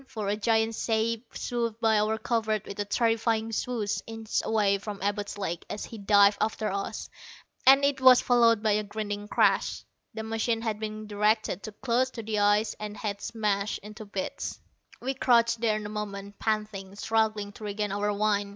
For a giant shape swooped by our covert with a terrifying swoosh, inches away from Abud's leg as he dived after us, and it was followed by a grinding crash. The machine had been directed too close to the ice and had smashed into bits. We crouched there a moment, panting, struggling to regain our wind.